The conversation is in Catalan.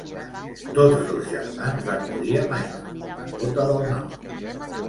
Tots dos germans van morir a Minot, Dakota del Nord.